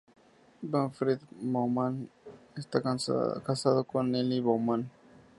Manfred Baumann está casado con Nelly Baumann.